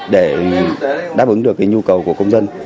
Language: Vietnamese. để đáp ứng được nhu cầu của công dân